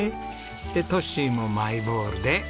でトッシーもマイボウルで。